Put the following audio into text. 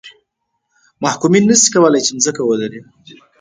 محکومین نه شي کولای چې ځمکه ولري.